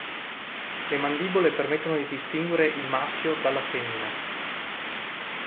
Le mandibole permettono di distinguere il maschio dalla femmina.